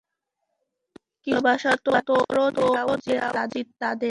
কিছু ভালোবাসা তো তোর ও দেয়া উচিত তাদের।